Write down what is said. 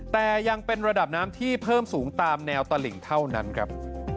แต่ยังเป็นระดับน้ำที่เพิ่มสูงตามแนวตลิ่งเท่านั้นครับ